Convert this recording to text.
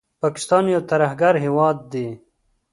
پاکستان یو ترهګر هیواد دي